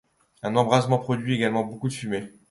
Un embrasement produit également beaucoup de fumée.